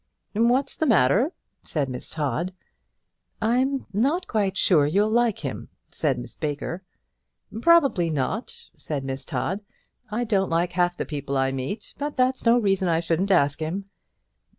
"What's the matter?" said Miss Todd. "I'm not quite sure you'll like him," said Miss Baker. "Probably not," said Miss Todd; "I don't like half the people I meet, but that's no reason I shouldn't ask him."